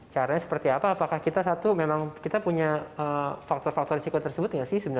caranya seperti apa apakah kita punya faktor faktor siku tersebut